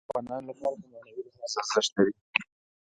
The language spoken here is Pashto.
هرات د افغانانو لپاره په معنوي لحاظ ارزښت لري.